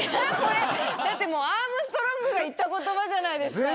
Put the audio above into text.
だってアームストロングが言った言葉じゃないですかあれ。